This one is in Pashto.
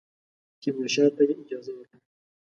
تیمورشاه ته یې اجازه ورکړه.